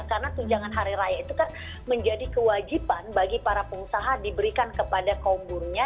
karena tunjangan hari raya itu kan menjadi kewajiban bagi para pengusaha diberikan kepada kaum burunya